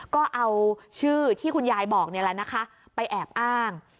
ก็เอาชื่อที่คุณยายบอกนี่แหละนะคะไปแอบอ้าง